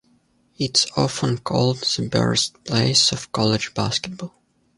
It is often called "the birthplace of college basketball".